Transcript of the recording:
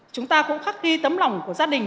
chúng ta cũng khắc ghi tấm lòng của gia đình